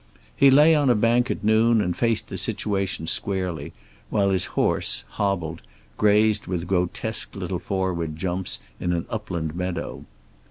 He lay on a bank at noon and faced the situation squarely, while his horse, hobbled, grazed with grotesque little forward jumps in an upland meadow.